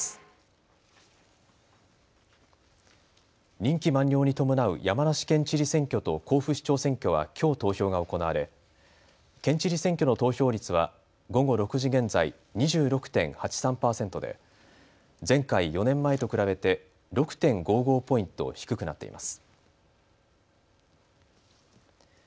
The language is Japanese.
任期満了に伴う山梨県知事選挙と甲府市長選挙はきょう投票が行われ県知事選挙の投票率は午後６時現在、２６．８３％で前回４年前と比べて６．５５ポイント低くなっています。